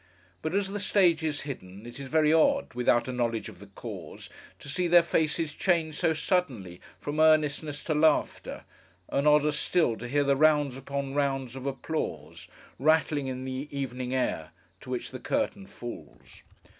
But as the stage is hidden, it is very odd, without a knowledge of the cause, to see their faces changed so suddenly from earnestness to laughter; and odder still, to hear the rounds upon rounds of applause, rattling in the evening air, to which the curtain falls.